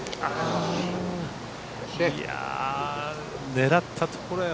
狙ったところへ